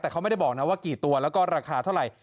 แต่เขาไม่ได้บอกนะว่ากี่ตัวแล้วก็ราคาเท่าไหร่